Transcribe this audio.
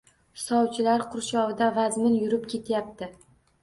Soqchilar qurshovida vazmin yurib ketayapti.